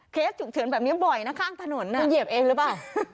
ฉุกเฉินแบบนี้บ่อยนะข้างถนนมันเหยียบเองหรือเปล่า